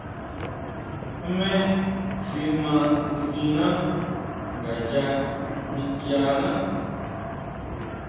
Jmé xi mandisina ngayá niʼyaná.